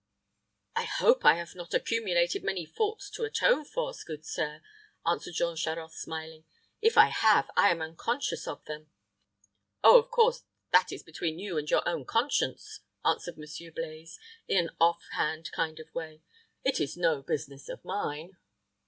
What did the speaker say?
"I hope I have not accumulated many faults to atone for, good sir," answered Jean Charost, smiling. "If I have, I am unconscious of them." "Oh, of course, that is between you and your own conscience," answered Monsieur Blaize, in an off hand kind of way. "It is no business of mine."